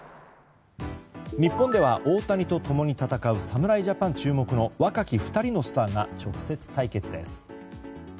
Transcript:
日本では大谷と共に戦う侍ジャパン注目の若き２人のスターが直接対決です。